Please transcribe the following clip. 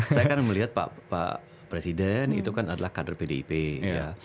saya kan melihat pak presiden itu kan adalah kader pdip ya